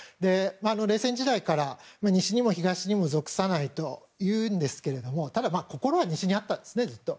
冷戦時代から西にも東にも属さないというんですがただ、心は西にあったんですずっと。